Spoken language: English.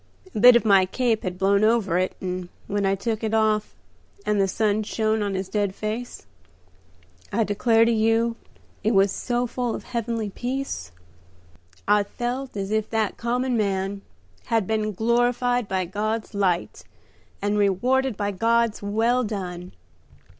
A bit of my cape had blown over it, and when I took it off and the sun shone on his dead face, I declare to you it was so full of heavenly peace I felt as if that common man had been glorified by God's light, and rewarded by God's 'Well done.'